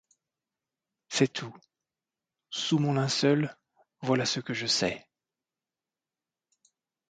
C’est tout : sous mon linceul voilà ce que je sais.